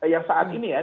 yang saat ini ya